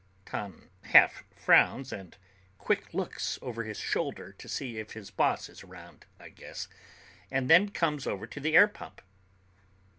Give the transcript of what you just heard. Tom half frowns and quick looks over his shoulder to see if his boss is around, I guess, and then comes over to the air pump.